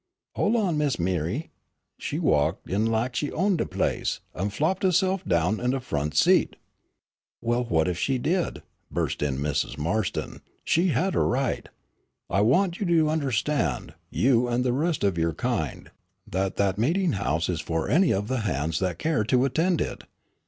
"Hol' on, Miss M'ree, she walked in lak she owned de place, an' flopped huhse'f down on de front seat." "Well, what if she did," burst in Mrs. Marston, "she had a right. I want you to understand, you and the rest of your kind, that that meeting house is for any of the hands that care to attend it.